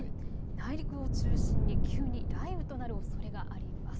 内陸を中心に急に雷雨となるおそれがあります。